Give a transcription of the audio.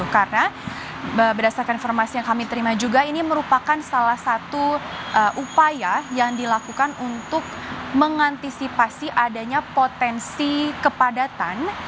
karena berdasarkan informasi yang kami terima juga ini merupakan salah satu upaya yang dilakukan untuk mengantisipasi adanya potensi kepadatan